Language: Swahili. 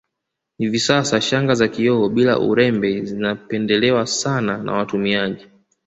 Hivi sasa shanga za kioo bila urembe zinapendelewa sana na watumiaji